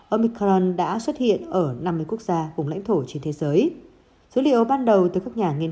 omicron đã xuất hiện ở năm mươi quốc gia vùng lãnh thổ trên thế giới số liệu ban đầu từ các nhà nghiên